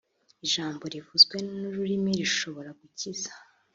Ijambo rivuzwe n’ururimi rishobora gukiza